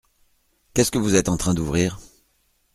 Qu’est-ce que vous êtes en train d’ouvrir ?